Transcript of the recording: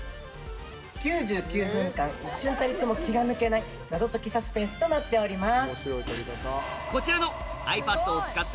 ９９分間一瞬たりとも気が抜けない謎解きサスペンスとなっております。